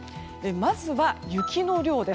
まずは、雪の量です。